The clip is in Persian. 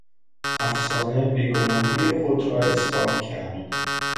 افسانه بیگناهی خود را اثبات کرد.